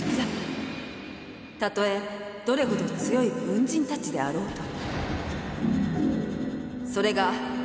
たとえどれほど強い軍人たちであろうとも。